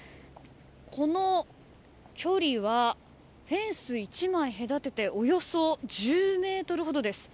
この距離はフェンス１枚隔てておよそ１０ｍほどです。